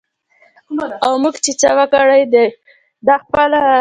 او موږ چې څه ورکړي دي